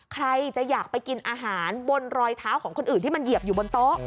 ใครจะอยากไปกินอาหารบนรอยเท้าของคนอื่นที่มันเหยียบอยู่บนโต๊ะ